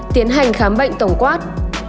tiến hành khám bệnh tổng quát